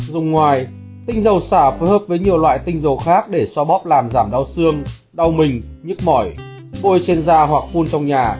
dùng ngoài tinh dầu xả phối hợp với nhiều loại tinh dầu khác để so bóp làm giảm đau xương đau mình nhức mỏi bôi trên da hoặc phun trong nhà